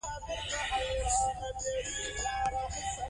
د هغې نقش تر نورو ټاکونکی دی.